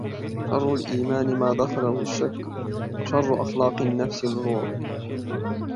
شرّ الإيمان ما دخله الشّك، وشرّ أخلاق النّفس الجور.